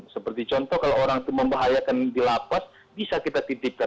seperti contoh kalau orang itu membahayakan di lapas bisa kita titipkan